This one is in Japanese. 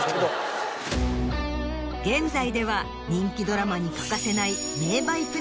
現在では人気ドラマに欠かせない。